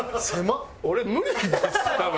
俺無理です多分。